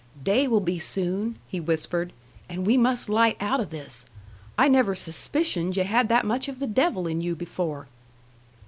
"Day will be soon," he whispered, "and we must light out of this. I never suspicioned yu' had that much of the devil in you before."